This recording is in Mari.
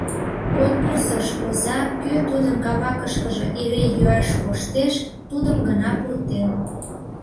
Конкурсыш оза кӧ тудын кабакышкыже эре йӱаш коштеш — тудым гына пуртен.